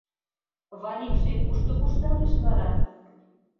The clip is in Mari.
— Валикше кушто куржталеш вара?